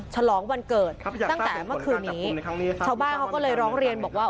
ฉลองวันเกิดตั้งแต่เมื่อคืนนี้ชาวบ้านเขาก็เลยร้องเรียนบอกว่า